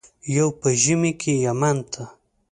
یو په ژمي کې یمن ته.